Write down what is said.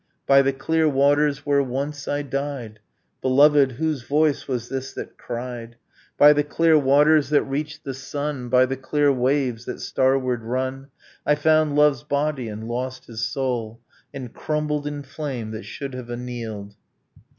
'By the clear waters where once I died ....' Beloved, whose voice was this that cried? 'By the clear waters that reach the sun By the clear waves that starward run. ... I found love's body and lost his soul, And crumbled in flame that should have annealed.